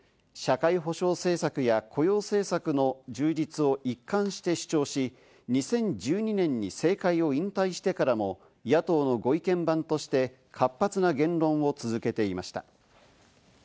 社会保障政策や雇用政策の充実を一貫して主張し、２０１２年に政界を引退してからも、野党のご意見番として、活発な言論を続けていました。